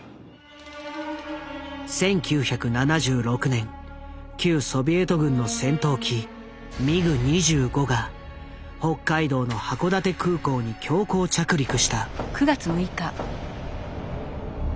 １９７６年旧ソビエト軍の戦闘機ミグ２５が北海道の函館空港に強行着陸した。